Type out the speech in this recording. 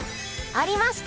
ありました！